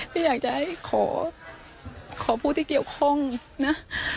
พี่อยากจะให้ขอผู้ที่เกี่ยวข้องนะ